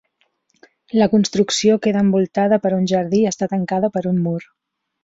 La construcció queda envoltada per un jardí i està tancada per un mur.